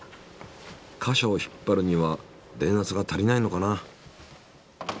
貨車をひっぱるには電圧が足りないのかな。